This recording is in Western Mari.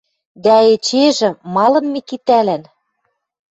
Дӓ эчежы: малын Микитӓлӓн